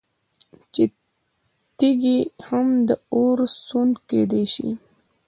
چې تيږي هم د اور سوند كېدى شي